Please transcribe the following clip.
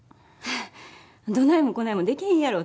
どないもこないもできへんやろ！